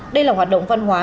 đây là hoạt động văn hóa